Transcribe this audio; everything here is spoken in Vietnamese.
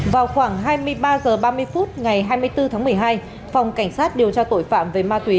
vào khoảng hai mươi ba h ba mươi phút ngày hai mươi bốn tháng một mươi hai phòng cảnh sát điều tra tội phạm về ma túy